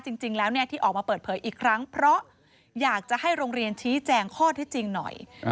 จริงแล้วที่ออกมาเปิดเผยอีกครั้งเพราะอยากจะให้โรงเรียนชี้แจงข้อที่จริงหน่อย